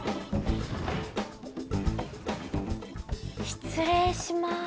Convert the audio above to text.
失礼しまーす。